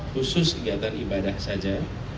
khusus kegiatan ibadah saja